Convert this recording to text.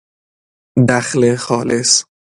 دخل خالص